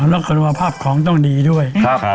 แล้วก็รู้ว่าภาพของต้องดีด้วย